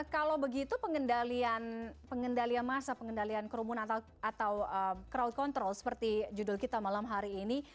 kalau begitu pengendalian masa pengendalian kerumunan atau crowd control seperti judul kita malam hari ini